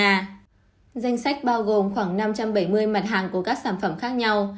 danh sách bao gồm khoảng năm trăm bảy mươi mặt hàng của các sản phẩm khác nhau